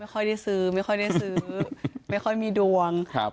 ค่อยได้ซื้อไม่ค่อยได้ซื้อไม่ค่อยมีดวง